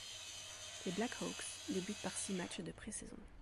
Les Blackhawks débutent par six matchs de pré-saison.